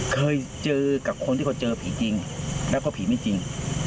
เคยเจอกับคนที่เขาเจอผีจริงแล้วก็ผีไม่จริง